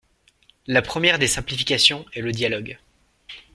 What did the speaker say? La première des simplifications est le dialogue.